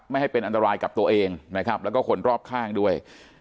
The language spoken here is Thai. ไม่ให้เป็นอันตรายกับตัวเองนะครับแล้วก็คนรอบข้างด้วย